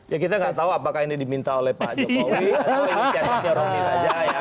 ya kita nggak tahu apakah ini diminta oleh pak jokowi